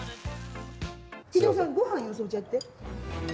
秀雄さんごはんよそっちゃって。